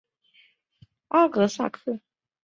阿格萨克。